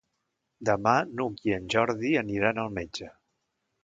Demà n'Hug i en Jordi aniran al metge.